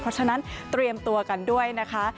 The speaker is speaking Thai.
เพราะฉะนั้นเตรียมตัวกันด้วยนะคะ